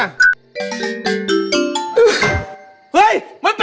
อ่าว